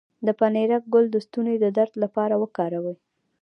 د پنیرک ګل د ستوني د درد لپاره وکاروئ